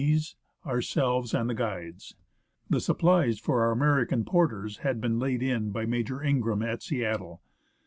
of ourselves and the guides.^ The supplies for our American porters had been laid in by Major Ingraham at Seattle.